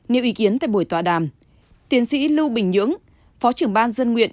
nếu ý kiến tại buổi tòa đàm tiến sĩ lưu bình nhưỡng